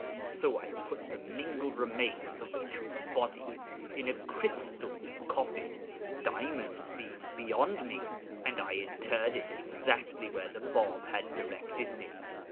'So I put the mingled remains of the two bodies in a crystal coffin, diamonds being beyond me, and I interred it exactly where the Bāb had directed me.